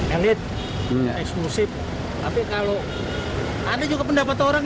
elit eksklusif tapi kalau ada juga pendapat orang